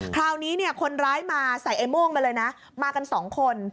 คราวนี้เนี่ยคนร้ายมาใส่ไอ้โม่งมาเลยนะมากันสองคน